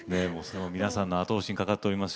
皆さんの後押しにかかっています。